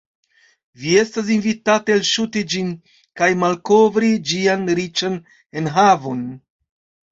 Vi estas invitata elŝuti ĝin kaj malkovri ĝian riĉan enhavon.